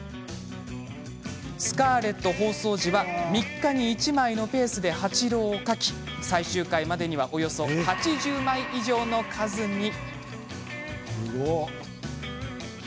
「スカーレット」放送時は３日に１枚のペースで八郎を描き最終回までにはおよそ８０枚以上の数に。